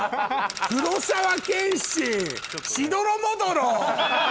黒澤謙心しどろもどろ！